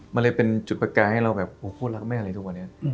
มันเลยเป็นจุดประกายให้เราแบบโหรักแม่อะไรทุกวันเนี่ย